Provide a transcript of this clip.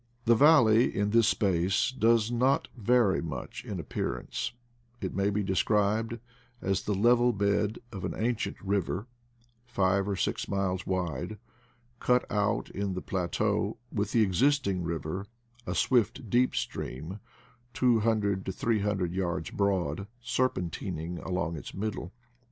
The valley, in this space, does not vary much in appearance; it may be described as the level bed of an ancient river, five or six miles wide, cut out in the plateau, with the existing river — a swift, deep stream, two hundred to three hundred yards broad — ^serpentining along its middle.